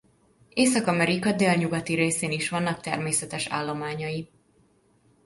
Észak-Amerika délnyugati részén is vannak természetes állományai.